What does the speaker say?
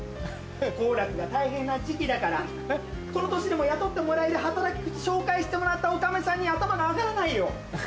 幸楽が大変な時期だからこの年でも雇ってもらえる働き口紹介してもらった女将さんに頭が上がらないよ。